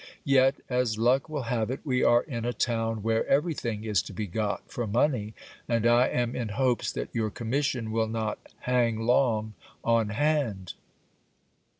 Yet, as luck will have it, we are in a town where everything is to be got for money, and I am in hopes that your commission will not hang long on hand.